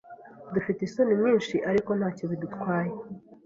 Dufite isoni nyinshi ariko ntacyo bidutwaye.